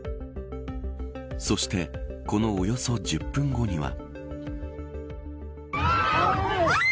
そしてこのおよそ１０分後には。